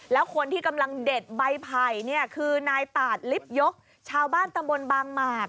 แล้วคนที่กำลังเด็ดใบไผ่เนี่ยคือนายตาดลิฟต์ยกชาวบ้านตำบลบางหมาก